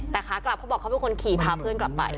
แต่ขากลับเขาบอกเขาเป็นคนขี่พาเพื่อนกลับไป